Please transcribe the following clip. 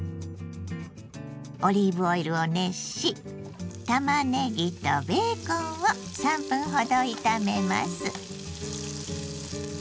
オリーブオイルを熱したまねぎとベーコンを３分ほど炒めます。